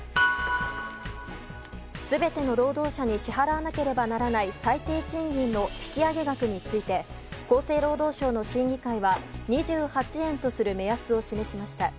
全ての労働者に支払わなければならない最低賃金の引き上げ額について厚生労働省の審議会は２８円とする目安を示しました。